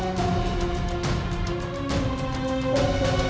ayo semuanya ibu undang